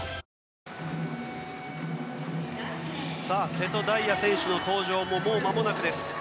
瀬戸大也選手の登場ももうまもなくです。